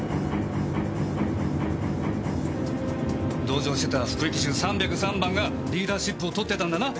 同乗してた服役囚３０３番がリーダーシップをとってたんだな？